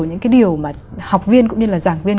những cái điều mà học viên cũng như là giảng viên